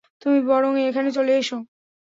তুমি বরং এখানে চলে এসো।